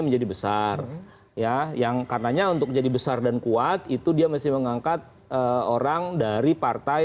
menjadi besar ya yang karenanya untuk jadi besar dan kuat itu dia mesti mengangkat orang dari partai